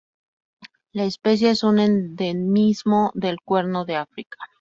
La especie es un endemismo del Cuerno de África.